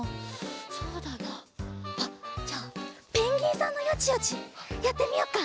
そうだなあっじゃあペンギンさんのヨチヨチやってみよっか。